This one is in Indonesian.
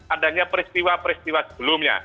adanya peristiwa peristiwa sebelumnya